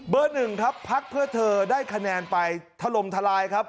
หนึ่งครับพักเพื่อเธอได้คะแนนไปถล่มทลายครับ